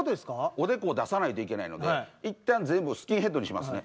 おでこを出さないといけないので一旦全部スキンヘッドにしますね。